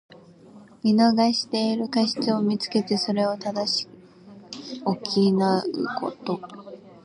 見逃している過失をみつけて、それを正し補うこと。